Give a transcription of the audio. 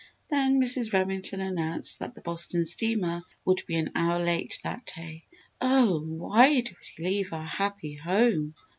Then Mrs. Remington announced that the Boston steamer would be an hour late that day. "Oh, why did we leave our happy home?"